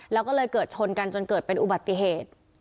แล้วก็เลยเกิดชนกันจนเกิดเป็นอุบัติเหตุ